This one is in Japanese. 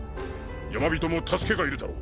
ヤマビトも助けがいるだろう。